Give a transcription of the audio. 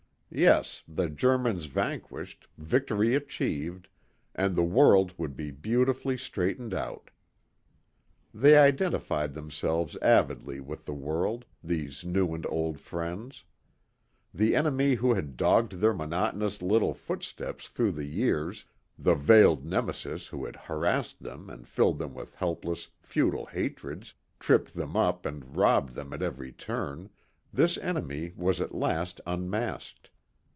Yes, the Germans vanquished, victory achieved, and the world would be beautifully straightened out. They identified themselves avidly with the world these old and new friends. The enemy who had dogged their monotonous little footsteps through the years the veiled Nemesis who had harassed them and filled them with helpless, futile hatreds, tripped them up and robbed them at every turn this enemy was at last unmasked.